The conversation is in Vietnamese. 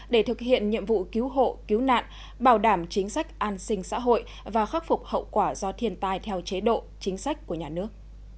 để thực hiện nhiệm vụ cứu hộ cứu nạn bảo đảm chính sách an sinh xã hội và khắc phục hậu quả do thiên tai theo chế độ chính sách của nhà nước